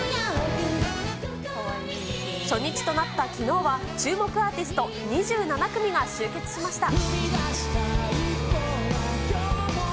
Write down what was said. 初日となったきのうは、注目アーティスト２７組が集結しました。